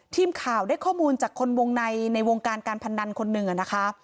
ทีมข่าวได้ข้อมูลจากคนวงในในวงการการพนันคนหนึ่งนะคะ